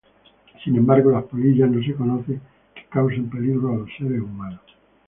Sin embargo, las polillas no se conoce que causen peligro a los seres humanos.